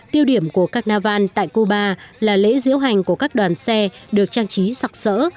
tiêu điểm của carnival tại cuba là lễ diễu hành của các đoàn xe được trang trí sặc sỡ